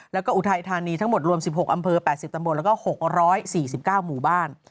แล้วก็อุทัยธานีทั้งหมดรวม๑๖อำเภอ๘๐ตำบลแล้วก็๖๔๙หมู่บ้าน